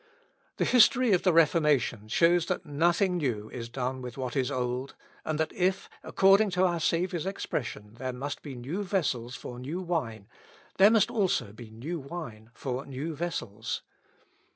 The history of the Reformation shows that nothing new is done with what is old, and that if, according to our Saviour's expression, there must be new vessels for new wine, there must also be new wine for new vessels.